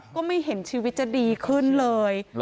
ก็ไม่เห็นชีวิตจะดีขึ้นเลย